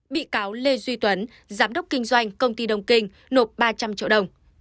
bị cáo lê duy tuấn giám đốc kinh doanh công ty đông kinh nộp ba trăm linh triệu đồng